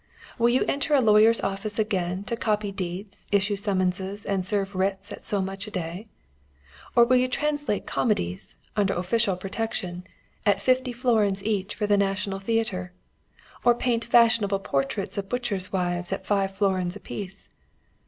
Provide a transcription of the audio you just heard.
Will you enter a lawyer's office again to copy deeds, issue summonses, and serve writs at so much a day? Or will you translate comedies (under official protection) at fifty florins each for the National Theatre; or paint fashionable portraits of butchers' wives at five florins apiece?